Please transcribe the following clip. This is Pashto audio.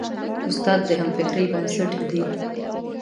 استاد د همفکرۍ بنسټ ږدي.